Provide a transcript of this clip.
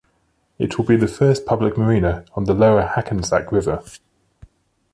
It will be the first public marina on the lower Hackensack River.